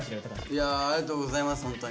いやありがとうございますホントに。